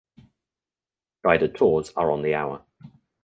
Guided tours are on the hour.